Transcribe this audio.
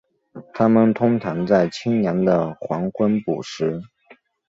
它们通常在清凉的黄昏捕食。